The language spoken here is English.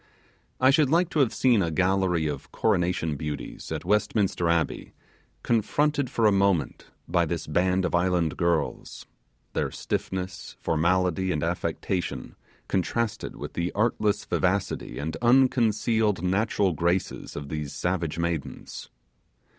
I should like to have seen a gallery of coronation beauties, at Westminster Abbey, confronted for a moment by this band of island girls; their stiffness, formality, and affectation, contrasted with the artless vivacity and unconcealed natural graces of these savage maidens.